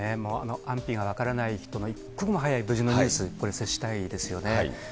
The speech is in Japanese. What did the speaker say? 安否が分からない人の一刻も早い無事のニュース、これ、接したいですよね。